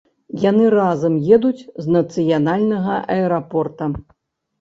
Яны разам едуць з нацыянальнага аэрапорта.